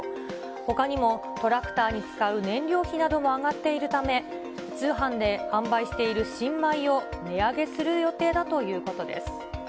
ほかにもトラクターに使う燃料費なども上がっているため、通販で販売している新米を値上げする予定だということです。